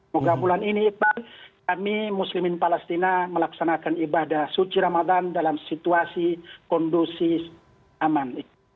moga bulan ini iqbal kami muslimin palestina melaksanakan ibadah suci ramadan dalam situasi kondusi aman